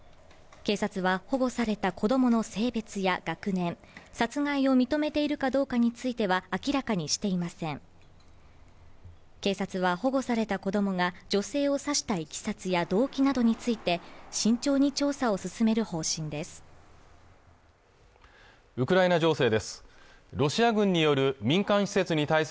警察は保護された子どもが女性を刺したいきさつや動機などについて慎重に調査を進める方針です